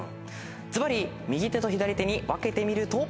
ずばり右手と左手に分けてみると。